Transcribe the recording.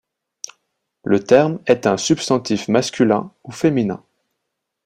Le terme est un substantif masculin ou féminin.